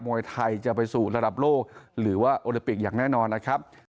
วยไทยจะไปสู่ระดับโลกหรือว่าโอลิปิกอย่างแน่นอนนะครับ